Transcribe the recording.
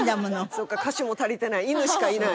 そっか歌手も足りてない犬しかいない。